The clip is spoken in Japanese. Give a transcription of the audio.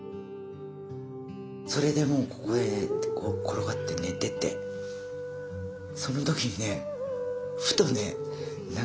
それでもうここへ転がって寝ててその時にねふとね匂ったの。